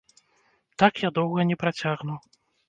Так я доўга не працягну.